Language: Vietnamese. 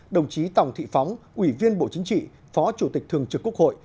đồng chí tòng thị phóng ủy viên bộ chính trị phó chủ tịch thường trực quốc hội